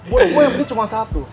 gue yang punya cuma satu